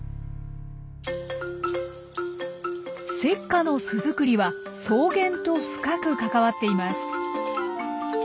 セッカの巣作りは草原と深く関わっています。